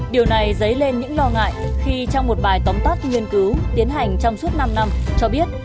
điều này dấy lên những lo ngại khi trong một bài tóm tắt nghiên cứu tiến hành trong suốt năm năm cho biết